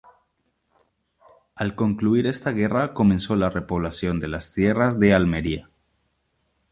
Al concluir esta guerra, comenzó la repoblación de las tierras de Almería.